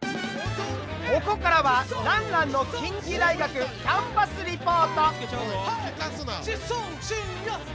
ここからは爛々の近畿大学キャンパスリポート！